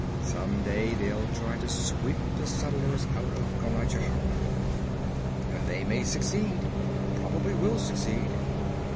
Some day they'll try to sweep the settlers out of Conajohara. And they may succeed probably will succeed.